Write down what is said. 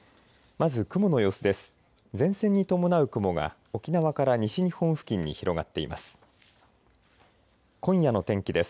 まず雲の様子です。